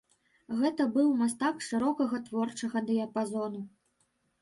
Гэта быў мастак шырокага творчага дыяпазону.